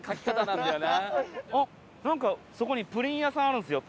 なんかそこにプリン屋さんあるんですよ。